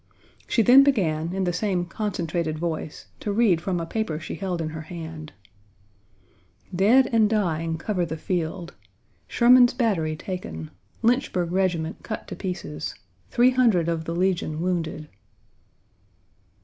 She then began, in the same concentrated voice, to read from a paper she held in her hand: "Dead and dying cover the field. Sherman's battery taken. Lynchburg regiment cut to pieces. Three hundred of the Legion wounded."